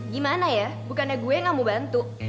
gimana ya bukannya gue gak mau bantu